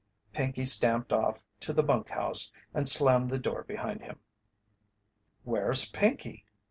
Pinkey stamped off to the bunk house and slammed the door behind him. "Where's Pinkey?"